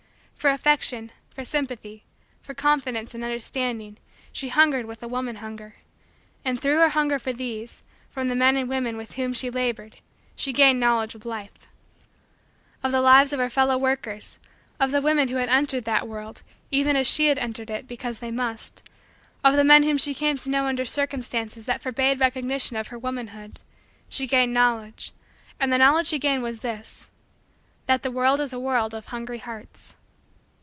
For affection, for sympathy, for confidence, and understanding, she hungered with a woman hunger; and, through her hunger for these, from the men and women with whom she labored she gained Knowledge of Life. Of the lives of her fellow workers of the women who had entered that world, even as she had entered it, because they must of the men whom she came to know under circumstances that forbade recognition of her womanhood she gained Knowledge; and the Knowledge she gained was this: that the world is a world of hungry hearts.